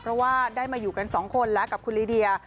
เพราะว่าได้มาอยู่กันสองคนแล้วกับคุณลีเดีย